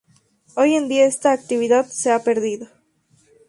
Hoy en día esta actividad se ha perdido.